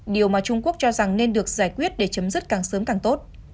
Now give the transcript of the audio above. điều mà trung quốc cho rằng nên được giải quyết để chấm dứt càng sớm càng tốt